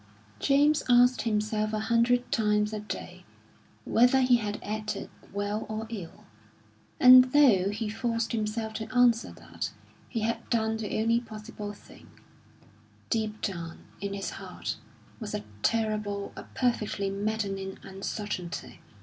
James asked himself a hundred times a day whether he had acted well or ill; and though he forced himself to answer that he had done the only possible thing, deep down in his heart was a terrible, a perfectly maddening uncertainty.